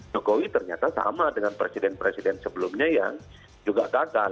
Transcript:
jokowi ternyata sama dengan presiden presiden sebelumnya yang juga gagal